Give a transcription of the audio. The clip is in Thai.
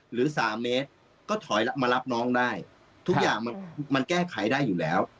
หรือสามเมตรก็ถอยมารับน้องได้ทุกอย่างมันแก้ไขได้อยู่แล้ว